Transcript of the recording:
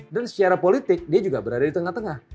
dan secara politik dia juga berada di tengah tengah